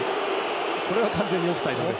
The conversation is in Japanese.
これは完全にオフサイドです。